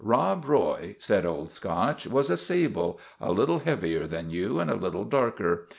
" Rob Roy," said Old Scotch, " was a sable, a little heavier than you, and a little darker.